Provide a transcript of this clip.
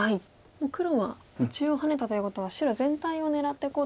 もう黒は中央ハネたということは白全体を狙っていこうと。